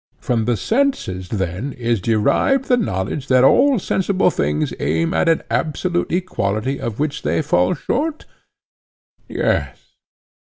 From the senses then is derived the knowledge that all sensible things aim at an absolute equality of which they fall short? Yes.